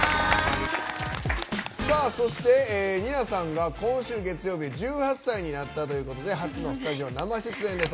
そして、ＮＩＮＡさんが今週月曜日１８歳になったということで初のスタジオ生出演です。